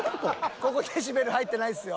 ここデシベル入ってないですよ。